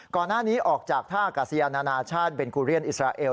ก่อนหน้านี้ออกจากท่ากาศยานานาชาติเบนคูเรียนอิสราเอล